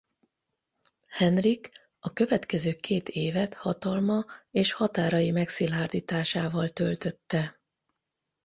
Henrik a következő két évet hatalma és határai megszilárdításával töltötte.